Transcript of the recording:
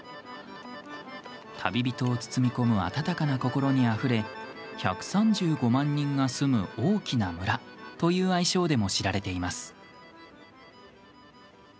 旅人を包み込む温かな心にあふれ「１３５万人が住む大きな村」という愛称でも知られています。